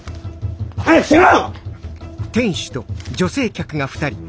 早くしろ！